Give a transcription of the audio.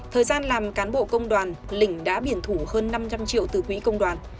thời gian làm cán bộ công đoàn lĩnh đã biển thủ hơn năm trăm linh triệu từ quỹ công đoàn